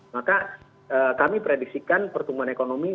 maka kami prediksikan pertumbuhan ekonomi